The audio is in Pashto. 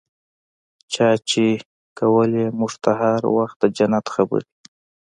چا چې کولې موږ ته هر وخت د جنت خبرې.